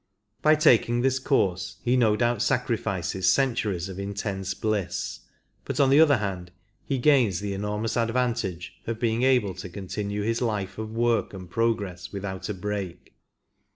By taking this course he no doubt sacrifices centuries of intense bliss, but on the other hand he gains the enormous advantage of being able to continue his life of work and progress without a break.